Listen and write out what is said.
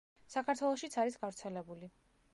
საქართველოშიც არის გავრცელებული.